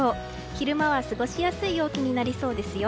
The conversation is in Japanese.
昼間は過ごしやすい陽気になりそうですよ。